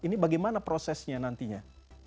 ini bagaimana prosesnya nantinya